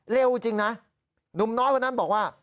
เร็วจริงนะหนุ่มน้อยคนนั้นบอกว่า